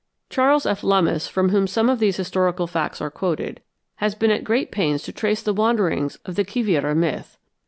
Charles F. Lummis, from whom some of these historical facts are quoted, has been at great pains to trace the wanderings of the Quivira myth.